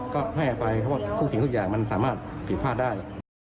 ก็ให้อภัยเพราะว่าทุกสิ่งทุกอย่างมันสามารถผิดพลาดได้